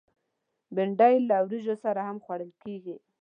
بېنډۍ له وریژو سره هم خوړل کېږي